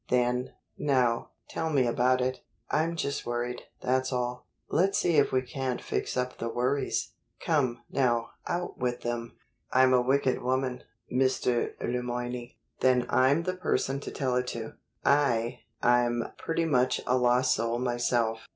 Then: "Now tell me about it." "I'm just worried; that's all." "Let's see if we can't fix up the worries. Come, now, out with them!" "I'm a wicked woman, Mr. Le Moyne." "Then I'm the person to tell it to. I I'm pretty much a lost soul myself."